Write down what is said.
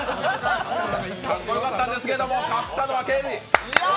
かっこよかったんですけど勝ったのはＫＺ。